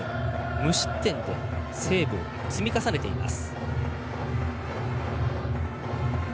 無失点でセーブを積み重ねています。